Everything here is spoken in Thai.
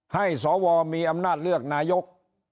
สวมีอำนาจเลือกนายก